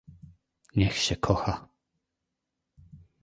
"Niech się kocha."